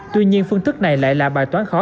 tuy nhiên phương thức này lại là bài toán khó